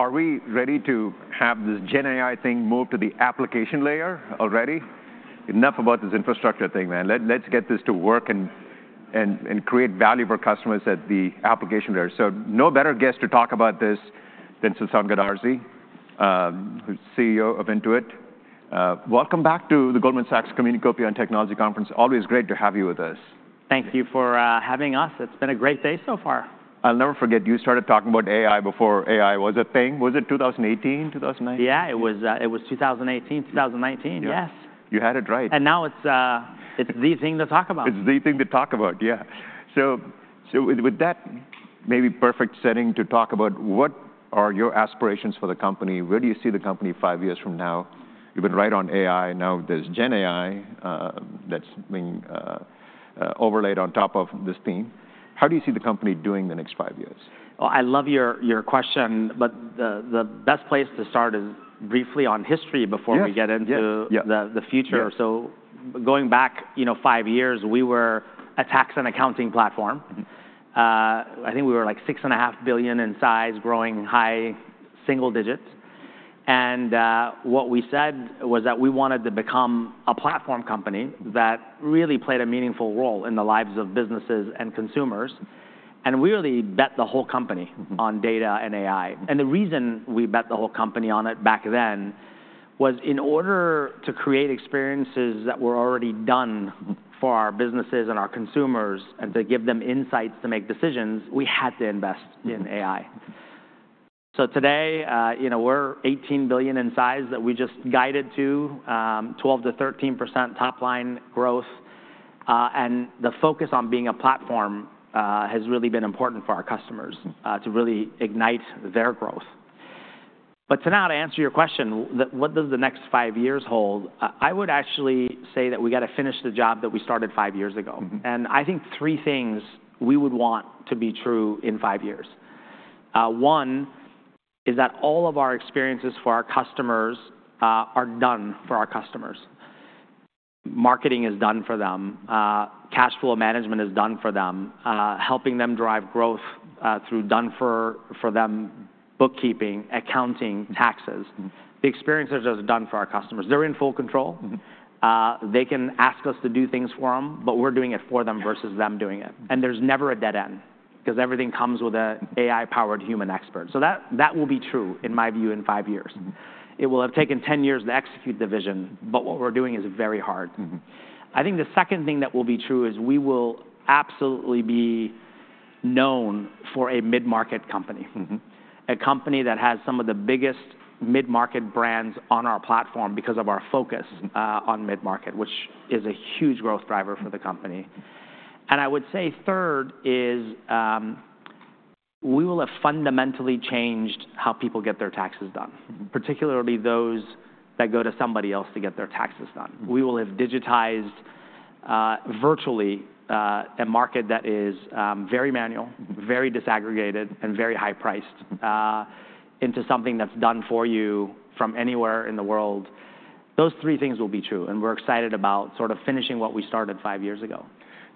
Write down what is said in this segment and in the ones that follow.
Are we ready to have this GenAI thing move to the application layer already? Enough about this infrastructure thing, man. Let's get this to work and create value for customers at the application layer. So no better guest to talk about this than Sasan Goodarzi, who's CEO of Intuit. Welcome back to the Goldman Sachs Communacopia and Technology Conference. Always great to have you with us. Thank you for having us. It's been a great day so far. I'll never forget, you started talking about AI before AI was a thing. Was it 2018, 2019? Yeah, it was 2018, 2019. Yeah. Yes. You had it right. And now it's the thing to talk about. It's the thing to talk about, yeah. So with that maybe perfect setting to talk about, what are your aspirations for the company? Where do you see the company five years from now? You've been right on AI. Now there's GenAI that's being overlaid on top of this theme. How do you see the company doing the next five years? I love your question, but the best place to start is briefly on history. Yes... before we get into- Yeah, yeah... the future. Yeah. Going back, you know, five years, we were a tax and accounting platform. Mm-hmm. I think we were, like, $6.5 billion in size, growing high single digits, and what we said was that we wanted to become a platform company that really played a meaningful role in the lives of businesses and consumers, and really bet the whole company- Mm-hmm... on data and AI and the reason we bet the whole company on it back then was in order to create experiences that were already done- Mm-hmm... for our businesses and our consumers, and to give them insights to make decisions, we had to invest in AI. Mm-hmm. Today, you know, we're $18 billion in size that we just guided to 12%-13% top line growth. The focus on being a platform has really been important for our customers- Mm-hmm... to really ignite their growth. But now to answer your question, what does the next five years hold? I would actually say that we've gotta finish the job that we started five years ago. Mm-hmm. And I think three things we would want to be true in five years. One, is that all of our experiences for our customers are done for our customers. Marketing is done for them, cash flow management is done for them, helping them drive growth through done for them, bookkeeping, accounting, taxes. Mm-hmm. The experience is just done for our customers. They're in full control. Mm-hmm. They can ask us to do things for them, but we're doing it for them versus them doing it. Mm-hmm. And there's never a dead end, 'cause everything comes with an AI-powered human expert. So that, that will be true, in my view, in five years. Mm-hmm. It will have taken 10 years to execute the vision, but what we're doing is very hard. Mm-hmm. I think the second thing that will be true is we will absolutely be known for a mid-market company. Mm-hmm. A company that has some of the biggest mid-market brands on our platform because of our focus- Mm-hmm... on mid-market, which is a huge growth driver for the company. And I would say third is, we will have fundamentally changed how people get their taxes done. Mm-hmm. Particularly those that go to somebody else to get their taxes done. Mm-hmm. We will have digitized virtually a market that is very manual, very disaggregated, and very high priced into something that's done for you from anywhere in the world. Those three things will be true, and we're excited about sort of finishing what we started five years ago.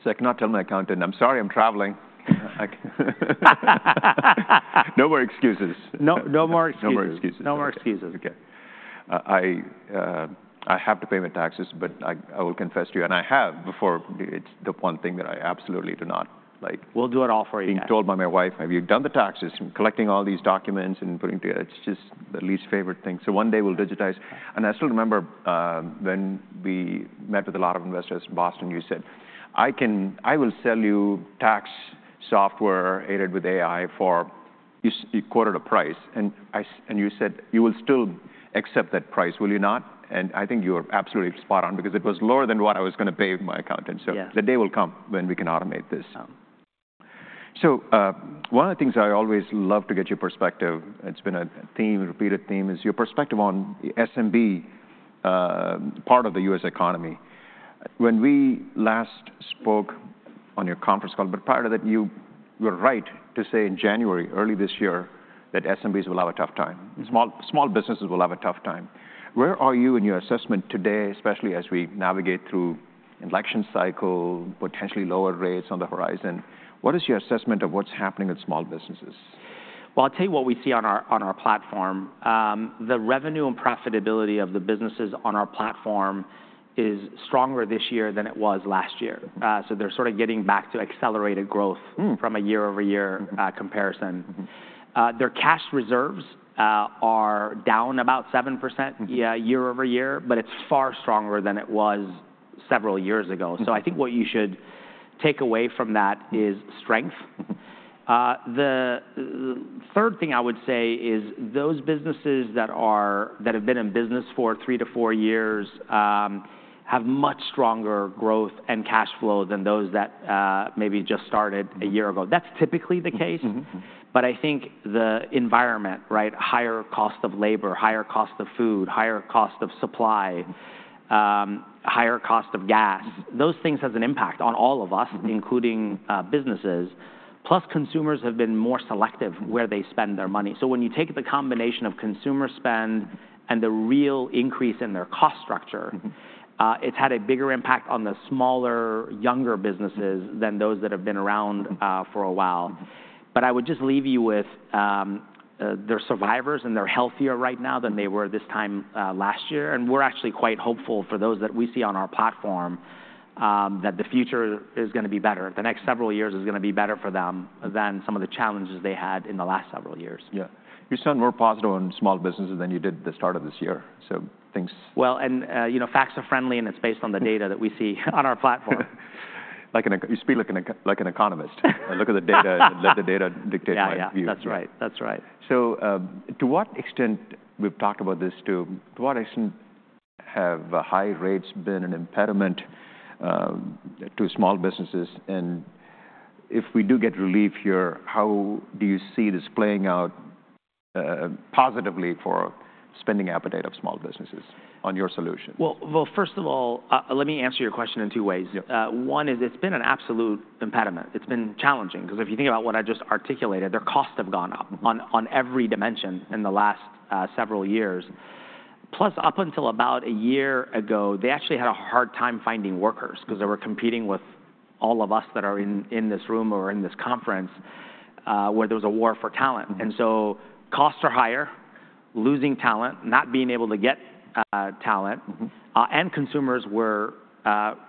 So I cannot tell my accountant, "I'm sorry, I'm traveling." No more excuses. No, no more excuses. No more excuses. No more excuses. Okay. I have to pay my taxes, but I will confess to you, and I have before, it's the one thing that I absolutely do not like- We'll do it all for you, yeah.... being told by my wife, "Have you done the taxes?" I'm collecting all these documents and putting together... It's just the least favorite thing. So one day we'll digitize. And I still remember, when we met with a lot of investors in Boston, you said, "I will sell you tax software aided with AI for..." You quoted a price, and you said, "You will still accept that price, will you not?" And I think you were absolutely spot on, because it was lower than what I was gonna pay my accountant. Yeah. The day will come when we can automate this. Yeah. One of the things I always love to get your perspective, it's been a theme, a repeated theme, is your perspective on the SMB part of the U.S. economy. When we last spoke on your conference call, but prior to that, you were right to say in January, early this year, that SMBs will have a tough time. Mm-hmm. Small businesses will have a tough time. Where are you in your assessment today, especially as we navigate through election cycle, potentially lower rates on the horizon? What is your assessment of what's happening with small businesses? I'll tell you what we see on our platform. The revenue and profitability of the businesses on our platform is stronger this year than it was last year, so they're sort of getting back to accelerated growth- Hmm... from a year-over-year comparison. Mm-hmm. Mm-hmm. Their cash reserves are down about 7% year-over-year, but it's far stronger than it was several years ago. Mm-hmm. So I think what you should take away from that is strength. Mm-hmm. The third thing I would say is those businesses that have been in business for three to four years have much stronger growth and cash flow than those that maybe just started a year ago. Mm-hmm. That's typically the case. Mm-hmm, mm-hmm. But I think the environment, right? Higher cost of labor, higher cost of food, higher cost of supply, higher cost of gas. Mm-hmm. Those things has an impact on all of us. Mm-hmm... including businesses. Plus, consumers have been more selective where they spend their money. So when you take the combination of consumer spend and the real increase in their cost structure- Mm-hmm ... it's had a bigger impact on the smaller, younger businesses- Mm-hmm... than those that have been around for a while.... but I would just leave you with, they're survivors, and they're healthier right now than they were this time last year, and we're actually quite hopeful for those that we see on our platform, that the future is gonna be better. The next several years is gonna be better for them than some of the challenges they had in the last several years. Yeah. You sound more positive on small businesses than you did at the start of this year, so things- You know, facts are friendly, and it's based on the data that we see on our platform. You speak like an economist. I look at the data and let the data dictate my view. Yeah, yeah, that's right. That's right. We've talked about this, too. To what extent have high rates been an impediment to small businesses? And if we do get relief here, how do you see this playing out positively for spending appetite of small businesses on your solution? First of all, let me answer your question in two ways. Yeah. One is it's been an absolute impediment. It's been challenging, 'cause if you think about what I just articulated, their costs have gone up on every dimension in the last several years. Plus, up until about a year ago, they actually had a hard time finding workers, 'cause they were competing with all of us that are in this room or in this conference, where there was a war for talent. Mm-hmm. And so costs are higher, losing talent, not being able to get talent. Mm-hmm... and consumers were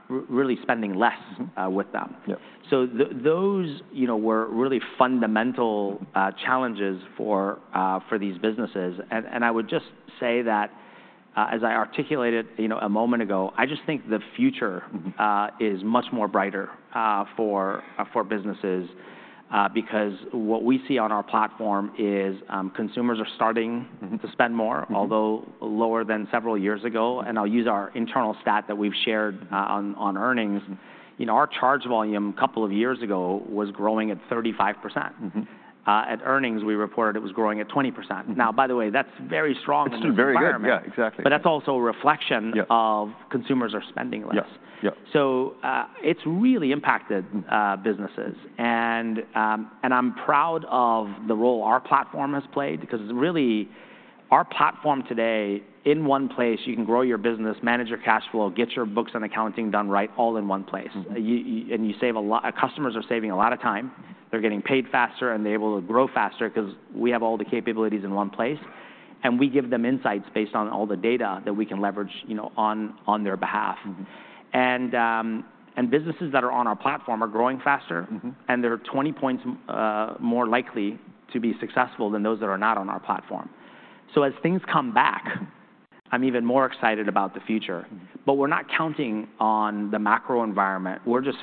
really spending less with them. Yeah. So those, you know, were really fundamental challenges for these businesses. And I would just say that, as I articulated, you know, a moment ago, I just think the future- Mm-hmm... is much more brighter for businesses because what we see on our platform is, consumers are starting- Mm-hmm... to spend more- Mm-hmm... although lower than several years ago. And I'll use our internal stat that we've shared, on earnings. You know, our charge volume couple of years ago was growing at 35%. Mm-hmm. At earnings, we reported it was growing at 20%. Mm-hmm. Now, by the way, that's very strong in this environment. It's very good. Yeah, exactly. But that's also a reflection- Yeah... of consumers are spending less. Yeah, yeah. So, it's really impacted- Mm... businesses, and I'm proud of the role our platform has played because really, our platform today, in one place, you can grow your business, manage your cash flow, get your books and accounting done right, all in one place. Mm-hmm. Customers are saving a lot of time. They're getting paid faster, and they're able to grow faster 'cause we have all the capabilities in one place, and we give them insights based on all the data that we can leverage, you know, on their behalf. Mm-hmm. Businesses that are on our platform are growing faster- Mm-hmm... and they're 20 points more likely to be successful than those that are not on our platform. So as things come back, I'm even more excited about the future. Mm. But we're not counting on the macro environment. We're just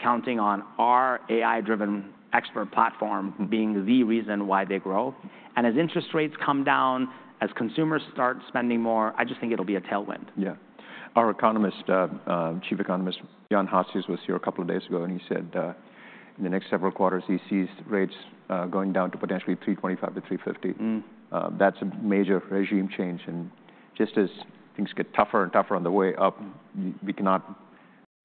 counting on our AI-driven expert platform- Mm... being the reason why they grow, and as interest rates come down, as consumers start spending more, I just think it'll be a tailwind. Yeah. Our Chief Economist, Jan Hatzius, was here a couple of days ago, and he said, in the next several quarters, he sees rates going down to potentially 325-350. Mm. That's a major regime change, and just as things get tougher and tougher on the way up, we cannot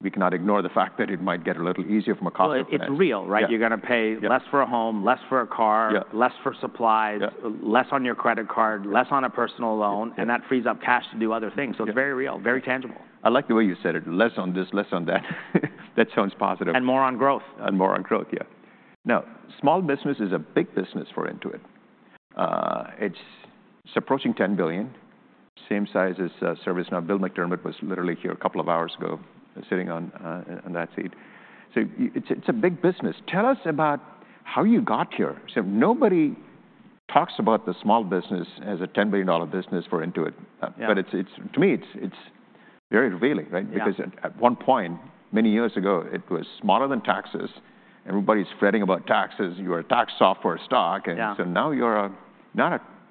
ignore the fact that it might get a little easier from a cost perspective. It's real, right? Yeah. You're gonna pay- Yeah... less for a home, less for a car- Yeah... less for supplies- Yeah... less on your credit card- Yeah... less on a personal loan- Yeah... and that frees up cash to do other things. Yeah. It's very real, very tangible. I like the way you said it, less on this, less on that. That sounds positive. More on growth. And more on growth, yeah. Now, small business is a big business for Intuit. It's approaching $10 billion, same size as ServiceNow. Bill McDermott was literally here a couple of hours ago, sitting on that seat. So it's a big business. Tell us about how you got here. So nobody talks about the small business as a $10 billion business for Intuit. Yeah. But it's... To me, it's very revealing, right? Yeah. Because at one point, many years ago, it was smaller than taxes. Everybody's fretting about taxes. You're a tax software stock, and- Yeah... so now you're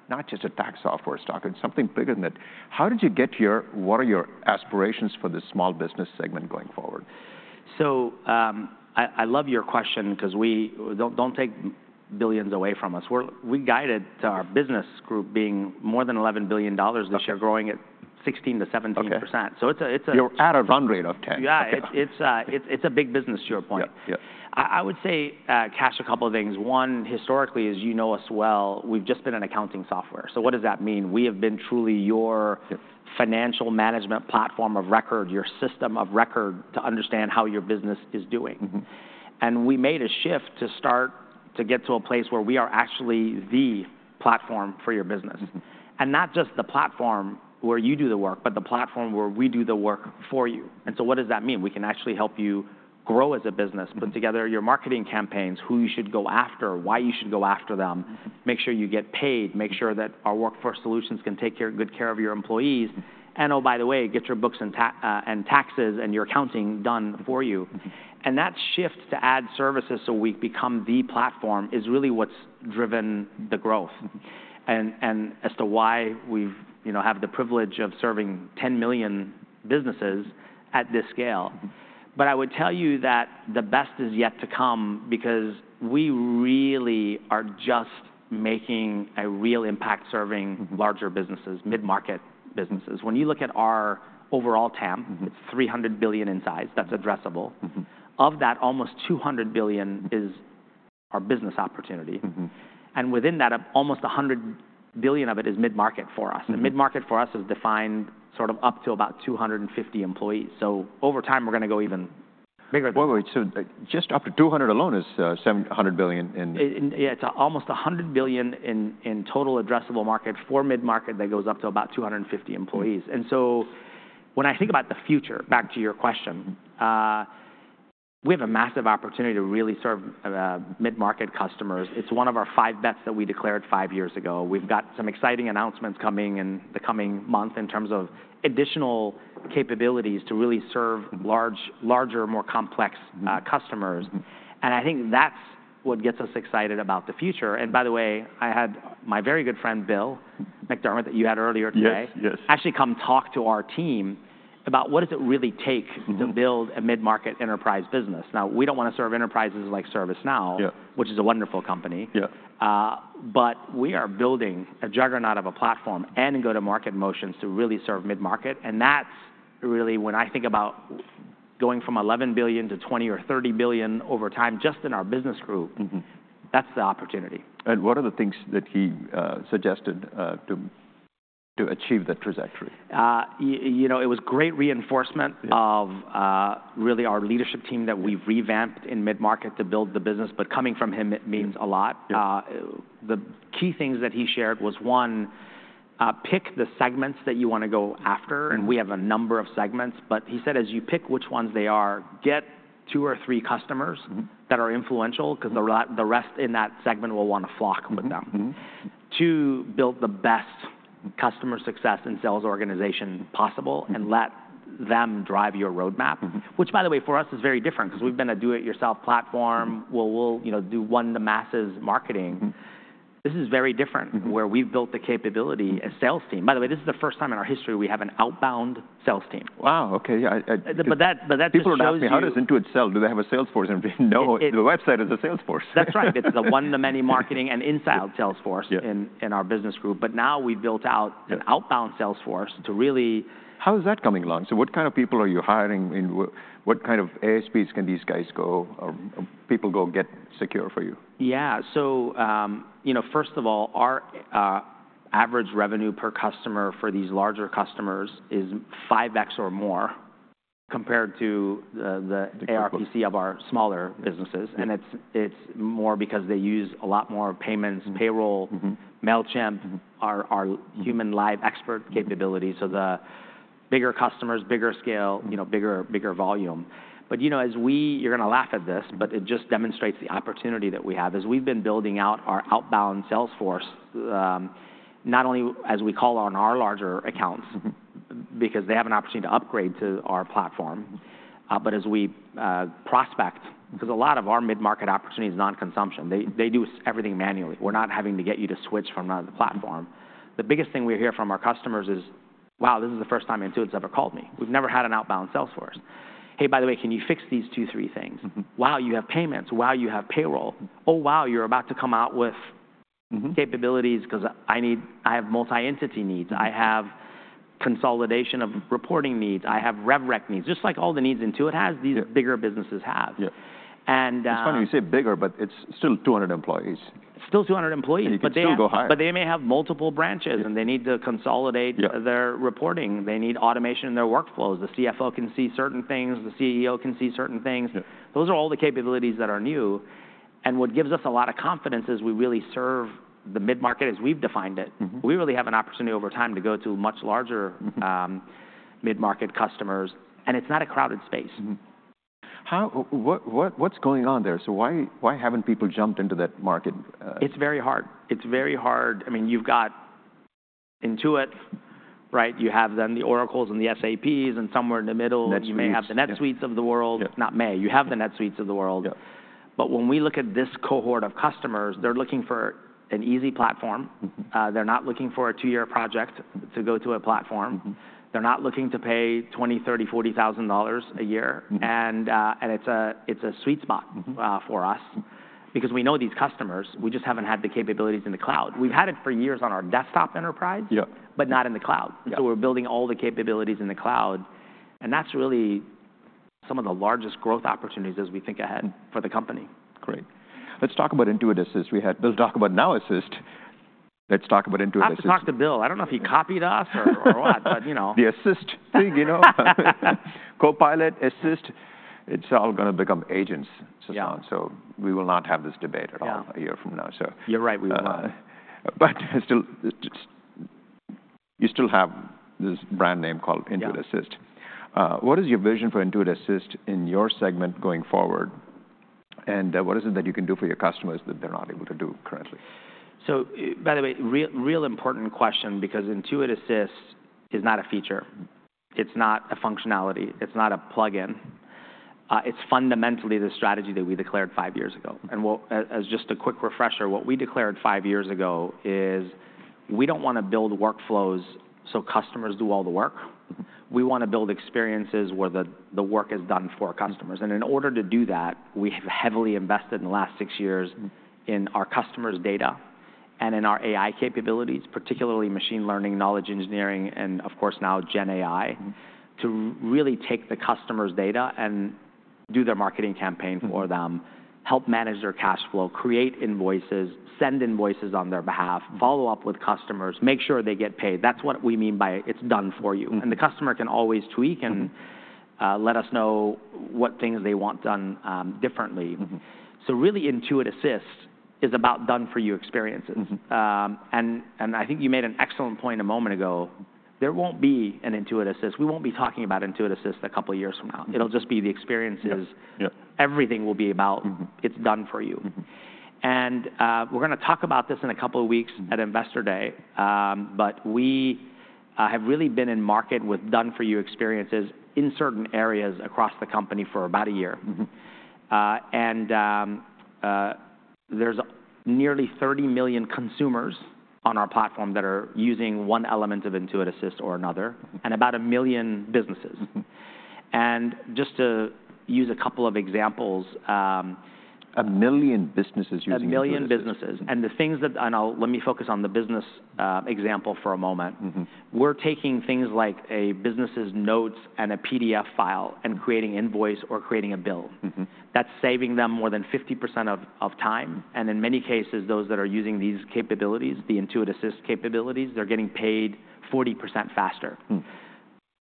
not just a tax software stock and something bigger than that. How did you get here? What are your aspirations for the small business segment going forward? I love your question 'cause we... Don't take billions away from us. We're guided our business group being more than $11 billion this year- Okay... growing at 16%-17%. Okay. It's a. You're at a run rate of 10. Yeah. Okay. It's a big business, to your point. Yeah, yeah. I would say, Kash, a couple of things. One, historically, as you know us well, we've just been an accounting software. So what does that mean? We have been truly your- Yeah... financial management platform of record, your system of record to understand how your business is doing. Mm-hmm. We made a shift to start to get to a place where we are actually the platform for your business. Mm-hmm. And not just the platform where you do the work, but the platform where we do the work for you. And so what does that mean? We can actually help you grow as a business- Mm... put together your marketing campaigns, who you should go after, why you should go after them- Mm... make sure you get paid, make sure that our workforce solutions can take good care of your employees, and oh, by the way, get your books and taxes and your accounting done for you. Mm-hmm. That shift to add services so we become the platform is really what's driven the growth- Mm... and as to why we've, you know, have the privilege of serving 10 million businesses at this scale. But I would tell you that the best is yet to come because we really are just making a real impact serving- Mm... larger businesses, mid-market businesses. When you look at our overall TAM- Mm-hmm... it's $300 billion in size. That's addressable. Mm-hmm. Of that, almost $200 billion is our business opportunity, and within that, almost $100 billion of it is mid-market for us. Mm-hmm. Mid-market for us is defined sort of up to about 250 employees, so over time, we're gonna go even bigger. Wait, wait, so just up to 200 alone is seven hundred billion in- Yeah, it's almost $100 billion in total addressable market. For mid-market, that goes up to about 250 employees. Mm-hmm. And so when I think about the future, back to your question, we have a massive opportunity to really serve mid-market customers. It's one of our five bets that we declared five years ago. We've got some exciting announcements coming in the coming month, in terms of additional capabilities to really serve larger, more complex Mm... customers. And I think that's what gets us excited about the future. And by the way, I had my very good friend, Bill McDermott, that you had earlier today- Yes, yes... actually come talk to our team about what does it really take- Mm... to build a mid-market enterprise business? Now, we don't wanna serve enterprises like ServiceNow- Yeah... which is a wonderful company. Yeah. But we are building a juggernaut of a platform and go-to-market motions to really serve mid-market, and that's really, when I think about going from $11 billion to $20 billion or $30 billion over time, just in our business group- Mm-hmm... that's the opportunity. What are the things that he suggested to achieve that trajectory? you know, it was great reinforcement- Yeah... of really our leadership team that we've revamped in mid-market to build the business, but coming from him, it means a lot. Yeah. The key things that he shared was, one, pick the segments that you wanna go after. Mm. We have a number of segments, but he said as you pick which ones they are, get two or three customers. Mm... that are influential, 'cause the rest in that segment will wanna flock with them. Mm-hmm, mm-hmm. Two, build the best customer success and sales organization possible- Mm... and let them drive your roadmap. Mm-hmm. Which, by the way, for us is very different- Mm... 'cause we've been a do-it-yourself platform. Mm. We'll, you know, do one-to-masses marketing. Mm. This is very different- Mm-hmm... where we've built the capability, a sales team. By the way, this is the first time in our history we have an outbound sales team. Wow, okay. Yeah, I but- But that just shows you- People were asking, "How does Intuit sell? Do they have a sales force?" And we, "No- It, it-... the website is a sales force. That's right. It's the one-to-many marketing- Yeah... and inside sales force- Yeah... in our business group, but now we've built out- Yeah... an outbound sales force to really- How is that coming along? So what kind of people are you hiring, and what kind of ASPs can these guys go or people go get secure for you? Yeah, so, you know, first of all, our average revenue per customer for these larger customers is 5X or more compared to the ARPC- The ARPC... of our smaller businesses. Yeah. And it's more because they use a lot more payments- Mm... payroll- Mm-hmm... Mailchimp- Mm... our human live expert capabilities, so the bigger customers, bigger scale- Mm... you know, bigger, bigger volume. But, you know, as we... You're gonna laugh at this, but it just demonstrates the opportunity that we have. As we've been building out our outbound sales force, not only as we call on our larger accounts- Mm... because they have an opportunity to upgrade to our platform, but as we prospect, 'cause a lot of our mid-market opportunity is non-consumption. They do everything manually. We're not having to get you to switch from another platform. The biggest thing we hear from our customers is, "Wow, this is the first time Intuit's ever called me." We've never had an outbound sales force. "Hey, by the way, can you fix these two, three things? Mm-hmm. Wow, you have payments. Wow, you have payroll. Oh, wow, you're about to come out with- Mm-hmm... capabilities, 'cause I need... I have multi-entity needs. Mm. I have consolidation of reporting needs. I have rev rec needs." Just like all the needs Intuit has- Yeah... these bigger businesses have. Yeah. And, uh- It's funny you say bigger, but it's still 200 employees. Still 200 employees- You can still go higher.... but they may have multiple branches- Yeah... and they need to consolidate- Yeah... their reporting. They need automation in their workflows. The CFO can see certain things, the CEO can see certain things. Yeah. Those are all the capabilities that are new, and what gives us a lot of confidence is we really serve the mid-market as we've defined it. Mm-hmm. We really have an opportunity over time to go to much larger- Mm... mid-market customers, and it's not a crowded space. Mm-hmm. How, what, what's going on there? So why haven't people jumped into that market? It's very hard. It's very hard. I mean, you've got Intuit, right? You have then the Oracles and the SAPs, and somewhere in the middle- NetSuite, yeah... you may have the NetSuite of the world. Yeah. Not maybe, you have the NetSuite of the world. Yeah. But when we look at this cohort of customers, they're looking for an easy platform. Mm-hmm. They're not looking for a two-year project to go to a platform. Mm-hmm. They're not looking to pay $20,000, $30,000, $40,000 a year. Mm-hmm. It's a sweet spot- Mm-hmm... for us because we know these customers. We just haven't had the capabilities in the cloud. Mm. We've had it for years on our Desktop Enterprise- Yeah... but not in the cloud. Yeah. So we're building all the capabilities in the cloud, and that's really some of the largest growth opportunities as we think ahead... Mm... for the company. Great. Let's talk about Intuit Assist. We had Bill talk about Now Assist. Let's talk about Intuit Assist. I have to talk to Bill. I don't know if he copied us or... or what, but, you know. The assist thing, you know? CopilotAssist, it's all gonna become agents, Sasan. Yeah. So we will not have this debate at all- Yeah... a year from now, so. You're right, we will not. But still, you still have this brand name called Intuit Assist. Yeah. What is your vision for Intuit Assist in your segment going forward, and what is it that you can do for your customers that they're not able to do currently? By the way, real, real important question, because Intuit Assist is not a feature. It's not a functionality. It's not a plugin. It's fundamentally the strategy that we declared five years ago. Mm. As just a quick refresher, what we declared five years ago is, we don't wanna build workflows so customers do all the work. Mm-hmm. We wanna build experiences where the work is done for our customers. Mm. In order to do that, we have heavily invested in the last six years in our customers' data and in our AI capabilities, particularly machine learning, knowledge engineering, and of course, now GenAI. Mm... to really take the customer's data and do their marketing campaign for them, help manage their cash flow, create invoices, send invoices on their behalf, follow up with customers, make sure they get paid. That's what we mean by it's done for you. Mm-hmm. And the customer can always tweak and... Mm... let us know what things they want done, differently. Mm-hmm. So really, Intuit Assist is about done-for-you experiences. Mm-hmm. I think you made an excellent point a moment ago. There won't be an Intuit Assist. We won't be talking about Intuit Assist a couple years from now. Mm. It'll just be the experiences- Yep. Yep. Everything will be about- Mm-hmm... it's done for you. Mm-hmm. And, we're gonna talk about this in a couple of weeks at Investor Day. But we have really been in market with done-for-you experiences in certain areas across the company for about a year. Mm-hmm. There's nearly 30 million consumers on our platform that are using one element of Intuit Assist or another, and about a million businesses. Mm-hmm. And just to use a couple of examples, A million businesses using Intuit Assist? A million businesses, and the things that... And let me focus on the business example for a moment. Mm-hmm. We're taking things like a business's notes and a PDF file and creating an invoice or creating a bill. Mm-hmm. That's saving them more than 50% of time, and in many cases, those that are using these capabilities, the Intuit Assist capabilities, they're getting paid 40% faster. Hmm.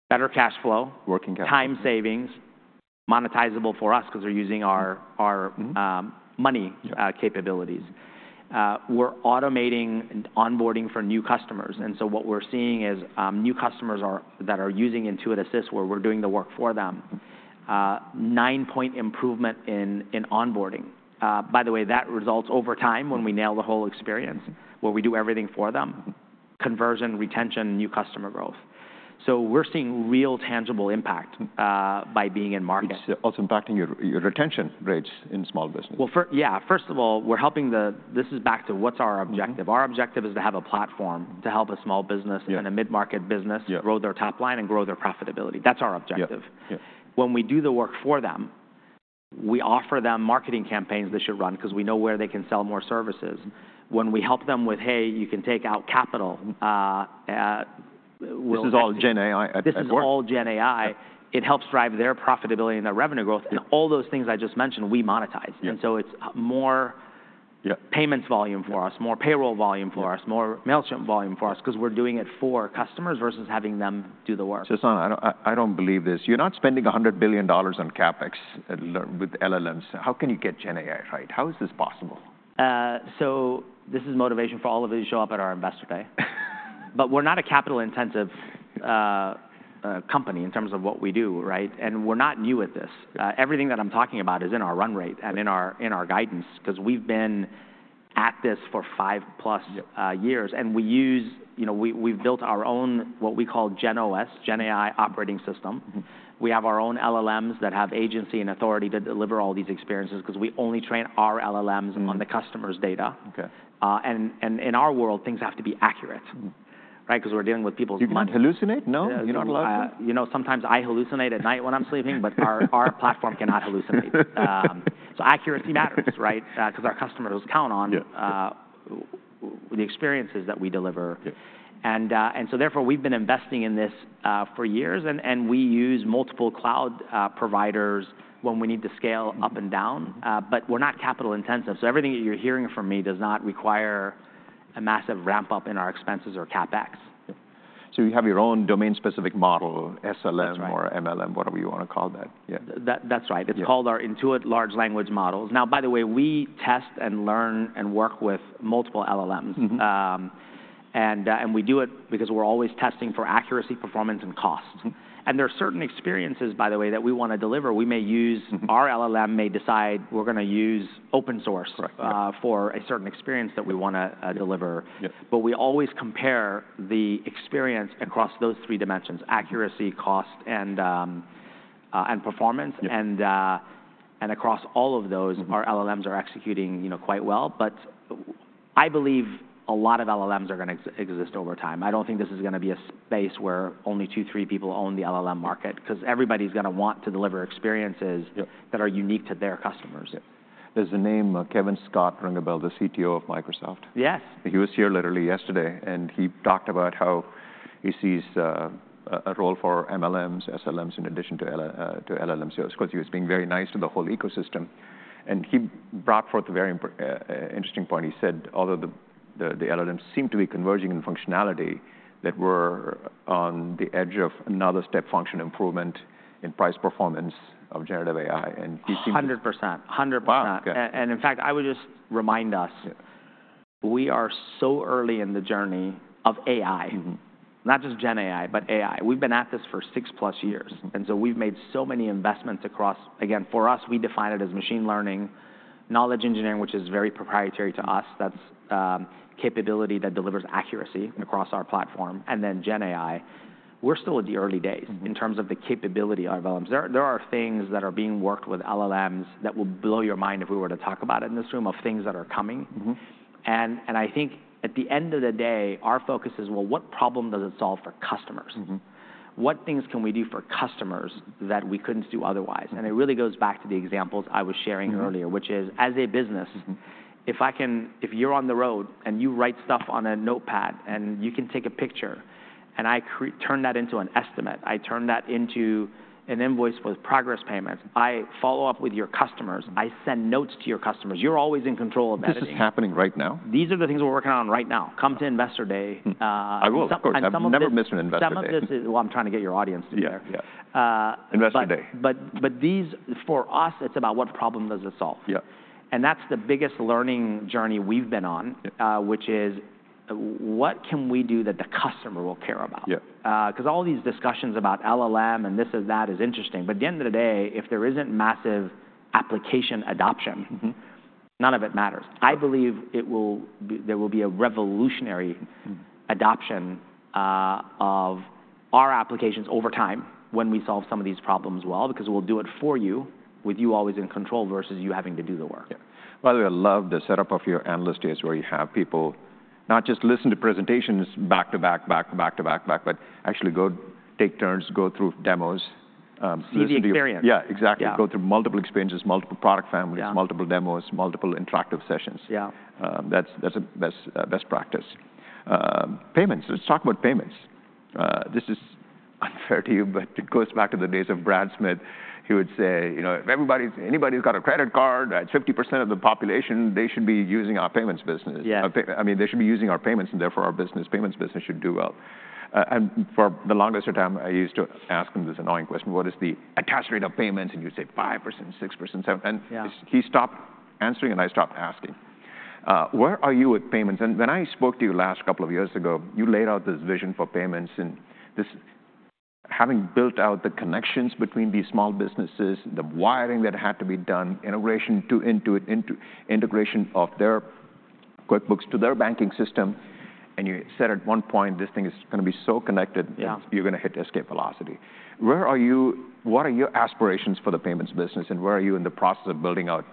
Better cash flow- Working cash flow. Time savings. Monetizable for us 'cause they're using our Mm... money, capabilities. We're automating and onboarding for new customers, and so what we're seeing is, new customers that are using Intuit Assist, where we're doing the work for them, nine-point improvement in onboarding. By the way, that results over time when we nail the whole experience, where we do everything for them- Mm... conversion, retention, new customer growth. So we're seeing real, tangible impact by being in market. It's also impacting your retention rates in small business. Yeah, first of all, we're helping the... This is back to what's our objective. Mm-hmm. Our objective is to have a platform to help a small business- Yeah... and a mid-market business- Yeah... grow their top line and grow their profitability. That's our objective. Yeah. Yeah. When we do the work for them, we offer them marketing campaigns they should run 'cause we know where they can sell more services. When we help them with, "Hey, you can take out capital," we'll- This is all GenAI at work? This is all GenAI. Yeah. It helps drive their profitability and their revenue growth, and all those things I just mentioned, we monetize. Yeah. And so it's more- Yeah... payments volume for us, more payroll volume for us- Yeah... more Mailchimp volume for us 'cause we're doing it for customers versus having them do the work. Sasan, I don't believe this. You're not spending $100 billion on CapEx with LLMs. How can you get GenAI right? How is this possible? So this is motivation for all of you to show up at our Investor Day. But we're not a capital-intensive company in terms of what we do, right? And we're not new at this. Yeah. Everything that I'm talking about is in our run rate and in our guidance 'cause we've been at this for five-plus years, and we use... You know, we, we've built our own, what we call GenOS, GenAI operating system. Mm-hmm. We have our own LLMs that have agency and authority to deliver all these experiences 'cause we only train our LLMs on the customer's data. Mm-hmm. Okay. And in our world, things have to be accurate- Mm... right, 'cause we're dealing with people's money. You can hallucinate? No? You don't allow it? You know, sometimes I hallucinate at night when I'm sleeping, but our platform cannot hallucinate. So accuracy matters, right, 'cause our customers count on- Yeah... the experiences that we deliver. Yeah. And so therefore, we've been investing in this for years, and we use multiple cloud providers when we need to scale up and down. But we're not capital intensive, so everything that you're hearing from me does not require a massive ramp-up in our expenses or CapEx. Yeah, so you have your own domain-specific model, SLM- That's right... or LLM, whatever you wanna call that. Yeah. That, that's right. Yeah. It's called our Intuit Large Language Models. Now, by the way, we test and learn and work with multiple LLMs. Mm-hmm. We do it because we're always testing for accuracy, performance, and cost. Mm-hmm. And there are certain experiences, by the way, that we wanna deliver, we may use- Mm-hmm... our LLM may decide we're gonna use open source- Correct. Yeah... for a certain experience that we wanna deliver. Yeah. But we always compare the experience across those three dimensions: accuracy, cost, and performance. Yeah. And across all of those- Mm-hmm... our LLMs are executing, you know, quite well. But I believe a lot of LLMs are gonna exist over time. I don't think this is gonna be a space where only two, three people own the LLM market, 'cause everybody's gonna want to deliver experiences- Yeah... that are unique to their customers. Yeah. Does the name Kevin Scott ring a bell, the CTO of Microsoft? Yes. He was here literally yesterday, and he talked about how he sees a role for LLMs, SLMs, in addition to LLMs. Of course, he was being very nice to the whole ecosystem, and he brought forth a very interesting point. He said, although the LLMs seem to be converging in functionality, that we're on the edge of another step-function improvement in price performance of generative AI, and he seemed- 100%. 100%. Wow, okay. In fact, I would just remind us- Yeah... We are so early in the journey of AI. Mm-hmm. Not just GenAI, but AI. We've been at this for six-plus years, and so we've made so many investments across... Again, for us, we define it as machine learning, knowledge engineering, which is very proprietary to us, that's capability that delivers accuracy across our platform, and then GenAI. We're still at the early days- Mm... in terms of the capability of LLMs. There are things that are being worked with LLMs that will blow your mind if we were to talk about it in this room, of things that are coming. Mm-hmm. I think at the end of the day, our focus is: Well, what problem does it solve for customers? Mm-hmm. What things can we do for customers that we couldn't do otherwise? Mm. And it really goes back to the examples I was sharing earlier. Mm-hmm... which is, if I can, if you're on the road, and you write stuff on a notepad, and you can take a picture, and I turn that into an estimate, I turn that into an invoice with progress payments, I follow up with your customers, I send notes to your customers, you're always in control of that- This is happening right now? These are the things we're working on right now. Come to Investor Day. I will, of course. Some of this- I've never missed an Investor Day. Some of this is... Well, I'm trying to get your audience to there. Yeah. Yeah. Uh- Investor Day. But these, for us, it's about what problem does it solve? Yeah. And that's the biggest learning journey we've been on- Yeah... which is, what can we do that the customer will care about? Yeah. 'Cause all these discussions about LLM and this and that is interesting, but at the end of the day, if there isn't massive application adoption- Mm-hmm... none of it matters. Sure. I believe there will be a revolutionary- Mm... adoption of our applications over time when we solve some of these problems well, because we'll do it for you, with you always in control, versus you having to do the work. Yeah. By the way, I love the setup of your analyst days, where you have people not just listen to presentations back to back, back to back to back to back, but actually go take turns, go through demos, See the experience. Yeah, exactly. Yeah. Go through multiple experiences, multiple product families- Yeah... multiple demos, multiple interactive sessions. Yeah. That's a best practice. Payments, let's talk about payments. This is unfair to you, but it goes back to the days of Brad Smith, who would say, "You know, if everybody, anybody who's got a credit card, that's 50% of the population, they should be using our payments business. Yeah. I mean, "They should be using our payments, and therefore, our business, payments business should do well." And for the longest time, I used to ask him this annoying question: "What is the attach rate of payments?" And he would say, "5%, 6%, 7%. Yeah. And he stopped answering, and I stopped asking. Where are you with payments? And when I spoke to you last couple of years ago, you laid out this vision for payments and this having built out the connections between these small businesses, the wiring that had to be done, integration to Intuit, integration of their QuickBooks to their banking system, and you said at one point, "This thing is gonna be so connected- Yeah... you're gonna hit escape velocity." Where are you? What are your aspirations for the payments business, and where are you in the process of building out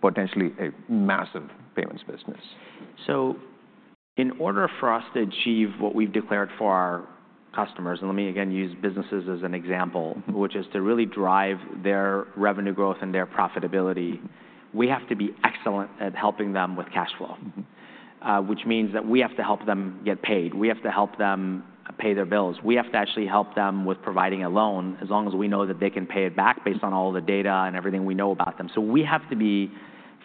potentially a massive payments business? So in order for us to achieve what we've declared for our customers, and let me again use businesses as an example- Mm... which is to really drive their revenue growth and their profitability, we have to be excellent at helping them with cash flow. Mm-hmm. Which means that we have to help them get paid. We have to help them pay their bills. We have to actually help them with providing a loan, as long as we know that they can pay it back based on all the data and everything we know about them. So we have to be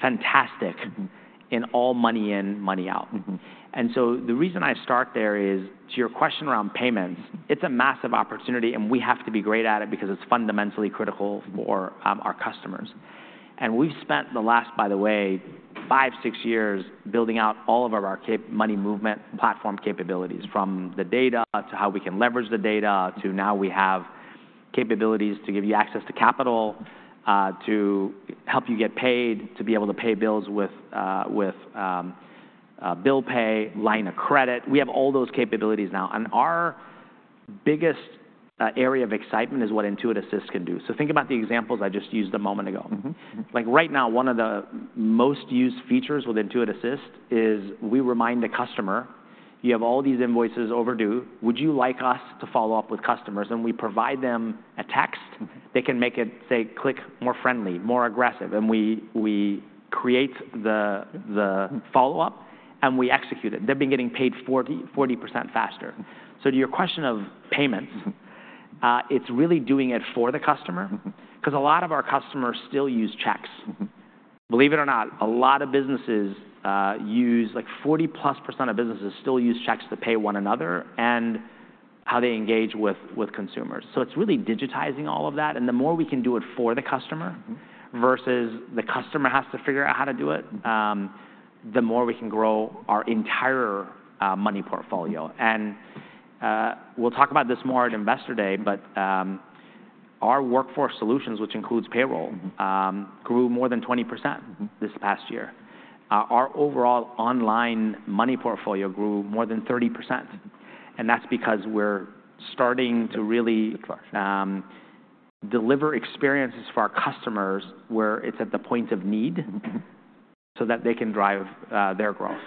fantastic. Mm ... in all money in, money out. Mm-hmm. And so the reason I start there is, to your question around payments, it's a massive opportunity, and we have to be great at it because it's fundamentally critical for our customers. And we've spent the last, by the way, five, six years building out all of our capital money movement platform capabilities, from the data to how we can leverage the data, to now we have capabilities to give you access to capital, to help you get paid, to be able to pay bills with bill pay, line of credit. We have all those capabilities now, and our biggest area of excitement is what Intuit Assist can do. So think about the examples I just used a moment ago. Mm-hmm. Like, right now, one of the most used features with Intuit Assist is we remind the customer, "You have all these invoices overdue. Would you like us to follow up with customers?" And we provide them a text. Mm. They can make it, say, click more friendly, more aggressive, and we create the follow-up, and we execute it. They've been getting paid 40% faster. So to your question of payments- Mm... it's really doing it for the customer. Mm-hmm. 'Cause a lot of our customers still use checks. Mm-hmm. Believe it or not, a lot of businesses use, like 40-plus% of businesses still use checks to pay one another and how they engage with consumers. So it's really digitizing all of that, and the more we can do it for the customer- Mm... versus the customer has to figure out how to do it, the more we can grow our entire, money portfolio. And, we'll talk about this more at Investor Day, but, our workforce solutions, which includes payroll- Mm... grew more than 20% this past year. Our overall online money portfolio grew more than 30%, and that's because we're starting to really- Good question... deliver experiences for our customers where it's at the point of need- Mm-hmm... so that they can drive their growth.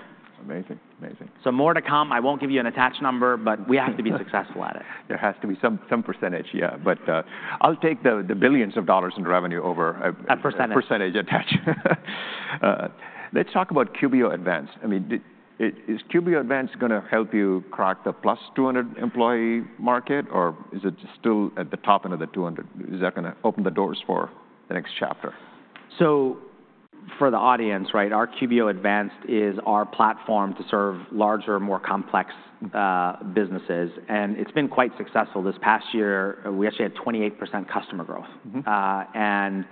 Amazing. Amazing. So more to come. I won't give you an exact number, but we have to be successful at it. There has to be some percentage, yeah, but I'll take the billions of dollars in revenue over a- A percentage... percentage attached. Let's talk about QBO Advanced. I mean, is QBO Advanced gonna help you crack the plus 200 employee market, or is it still at the top end of the 200? Is that gonna open the doors for the next chapter? So for the audience, right, our QBO Advanced is our platform to serve larger, more complex, businesses, and it's been quite successful. This past year, we actually had 28% customer growth. Mm-hmm. And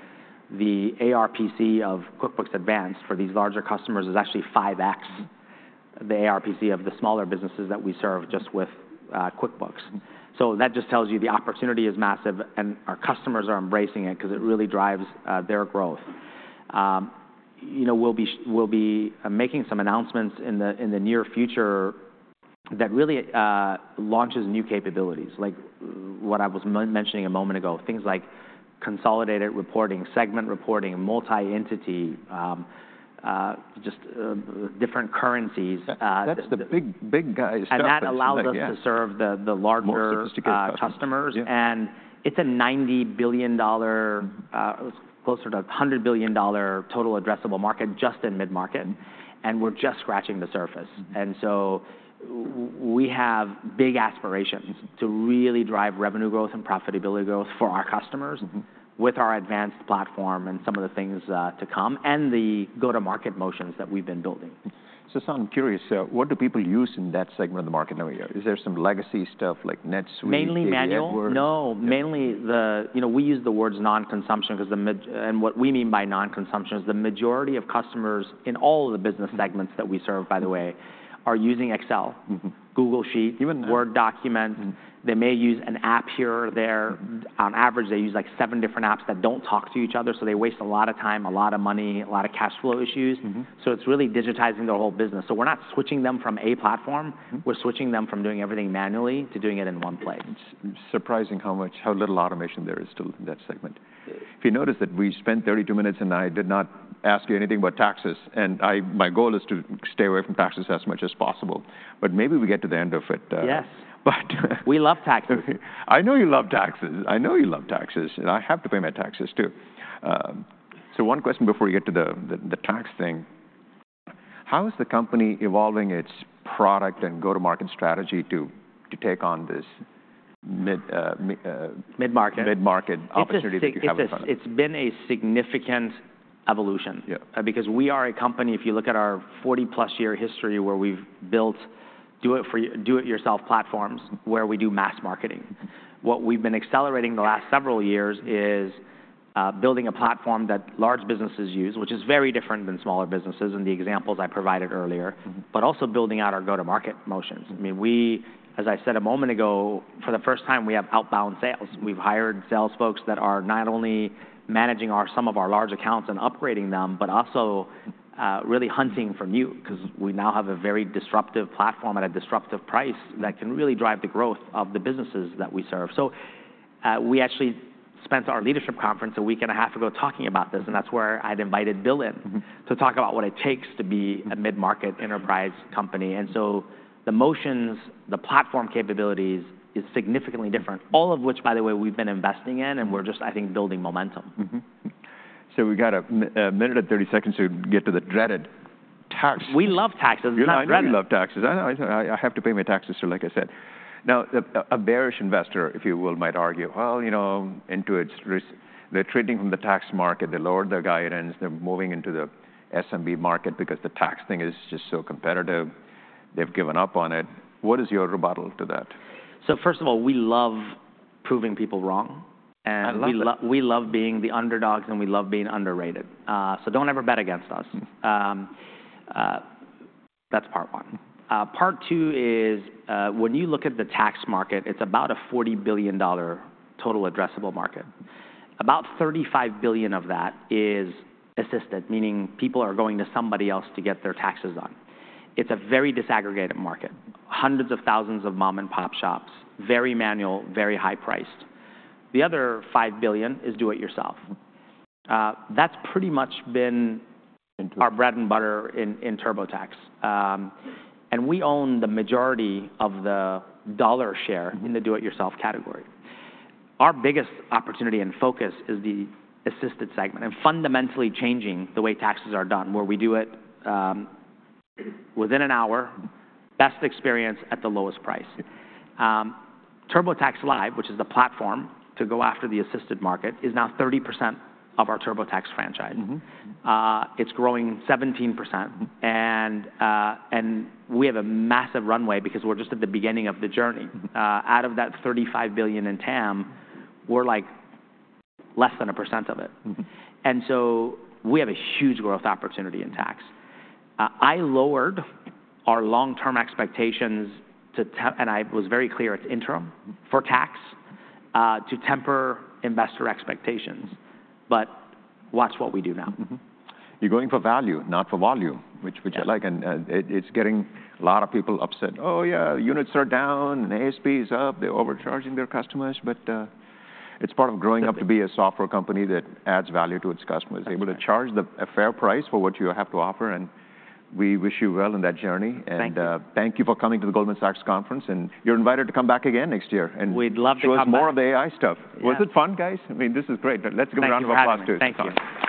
the ARPC of QuickBooks Advanced for these larger customers is actually 5X the ARPC of the smaller businesses that we serve just with QuickBooks. So that just tells you the opportunity is massive, and our customers are embracing it 'cause it really drives their growth. You know, we'll be making some announcements in the near future that really launches new capabilities, like what I was mentioning a moment ago, things like consolidated reporting, segment reporting, multi-entity, just different currencies. That's the big, big guy stuff, but yeah. And that allowed us to serve the larger- More sophisticated customers.... customers. Yeah. And it's a $90 billion, closer to $100 billion total addressable market just in mid-market, and we're just scratching the surface. And so we have big aspirations to really drive revenue growth and profitability growth for our customers... Mm-hmm ... with our advanced platform and some of the things, to come, and the go-to-market motions that we've been building. So, I'm curious, what do people use in that segment of the market now? Is there some legacy stuff like NetSuite, JD Edwards? Mainly manual. No, mainly... You know, we use the words non-consumption 'cause the mid- And what we mean by non-consumption is the majority of customers in all of the business segments that we serve, by the way, are using Excel- Mm-hmm... Google Sheets- Even-... Word documents. Mm. They may use an app here or there. Mm-hmm. On average, they use, like, seven different apps that don't talk to each other, so they waste a lot of time, a lot of money, a lot of cash flow issues. Mm-hmm. It's really digitizing their whole business. We're not switching them from a platform. Mm. We're switching them from doing everything manually to doing it in one place. It's surprising how much- how little automation there is to that segment. If you notice that we spent 32 minutes, and I did not ask you anything about taxes, and I... My goal is to stay away from taxes as much as possible, but maybe we get to the end of it. Yes. But - We love taxes. I know you love taxes. I know you love taxes, and I have to pay my taxes, too. So one question before we get to the tax thing, how is the company evolving its product and go-to-market strategy to take on this mid, m- Mid-market... mid-market opportunity that you have in front of you? It's been a significant evolution. Yeah... because we are a company, if you look at our 40-plus year history, where we've built do-it-yourself platforms, where we do mass marketing. What we've been accelerating the last several years is building a platform that large businesses use, which is very different than smaller businesses and the examples I provided earlier- Mm-hmm... but also building out our go-to-market motions. Mm-hmm. I mean, we, as I said a moment ago, for the first time, we have outbound sales. Mm-hmm. We've hired sales folks that are not only managing our, some of our large accounts and upgrading them but also, really hunting for new, 'cause we now have a very disruptive platform at a disruptive price that can really drive the growth of the businesses that we serve. So, we actually spent our leadership conference a week and a half ago talking about this, and that's where I'd invited Bill in- Mm-hmm... to talk about what it takes to be a mid-market enterprise company. Mm-hmm. And so the motions, the platform capabilities is significantly different, all of which, by the way, we've been investing in, and we're just, I think, building momentum. Mm-hmm. So we've got a minute and 30 seconds to get to the dreaded taxes. We love taxes. It's not dreaded. You love taxes. I have to pay my taxes too, like I said. Now, a bearish investor, if you will, might argue, "Well, you know, Intuit is retreating from the tax market. They lowered their guidance. They're moving into the SMB market because the tax thing is just so competitive. They've given up on it." What is your rebuttal to that? So first of all, we love proving people wrong, and- I love it.... we love being the underdogs, and we love being underrated. So don't ever bet against us. Mm. That's part one. Part two is, when you look at the tax market, it's about a $40 billion total addressable market. About $35 billion of that is assisted, meaning people are going to somebody else to get their taxes done. It's a very disaggregated market, hundreds of thousands of mom-and-pop shops, very manual, very high-priced. The other $5 billion is do it yourself. Mm. That's pretty much been- Intuit... our bread and butter in TurboTax, and we own the majority of the dollar share- Mm... in the do-it-yourself category. Our biggest opportunity and focus is the assisted segment and fundamentally changing the way taxes are done, where we do it within an hour, best experience at the lowest price. TurboTax Live, which is the platform to go after the assisted market, is now 30% of our TurboTax franchise. Mm-hmm. It's growing 17%, and we have a massive runway because we're just at the beginning of the journey. Mm. Out of that $35 billion in TAM, we're, like, less than 1% of it. Mm-hmm. And so we have a huge growth opportunity in tax. I lowered our long-term expectations and I was very clear, it's interim, for tax, to temper investor expectations, but watch what we do now. Mm-hmm. You're going for value, not for volume, which I like. Yeah. It's getting a lot of people upset. "Oh, yeah, units are down, and ASP is up. They're overcharging their customers." But it's part of growing up- Exactly... to be a software company that adds value to its customers. Exactly. Able to charge a fair price for what you have to offer, and we wish you well in that journey. Thank you. Thank you for coming to the Goldman Sachs conference, and you're invited to come back again next year, and We'd love to come back.... show us more of the AI stuff. Yeah. Was it fun, guys? I mean, this is great, but let's give a round of applause to Sasan. Thank you.